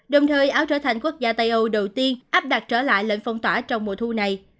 đồng thời áo trở thành quốc gia tây âu đầu tiên áp đặt trở lại lệnh phong tỏa trong mùa thu này